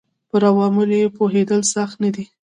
پر عواملو یې پوهېدل سخت نه دي.